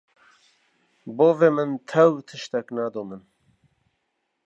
bavê min tew tiştek ne da min